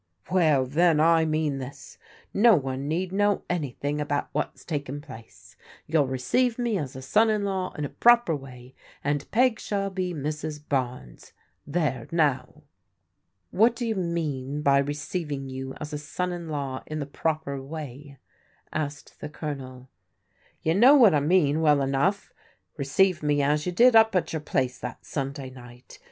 Well, then, I mean this : no one need know anything about whafs taken place. You'll receive me ^s ^ %«a vQr « f< 176 PBODIGAL DAUGHTERS law in a proper way, and P^ shall be Mrs. Barnes. There, now." A\liat do yoa mean by receiving yoa as a son in law in the proper way ?" asked the Colonel. " You know what I mean well enough — ^receive mc as jTOU did up at your place that Sunday night.